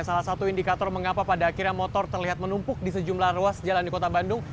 salah satu indikator mengapa pada akhirnya motor terlihat menumpuk di sejumlah ruas jalan di kota bandung